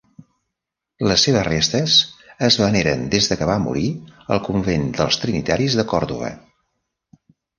Les seves restes es veneren des que va morir al convent dels trinitaris de Còrdova.